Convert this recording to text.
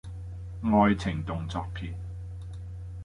愛情動作片